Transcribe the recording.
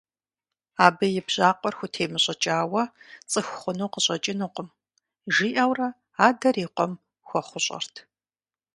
Абы и бжьакъуэр хутемыщӀыкӀауэ цӀыху хъуну къыщӀэкӀынукъым, – жиӀэурэ адэр и къуэм хуэхъущӀэрт.